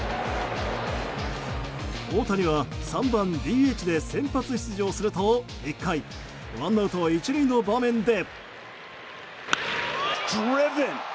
大谷は３番ＤＨで先発出場すると、１回ワンアウト１塁の場面で。